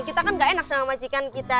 kita kan gak enak sama majikan kita